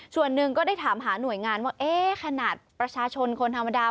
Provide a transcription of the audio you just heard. ส่วนหนึ่งก็ได้ถามหาหน่วยงานว่าเอ๊ะขนาดประชาชนคนธรรมดา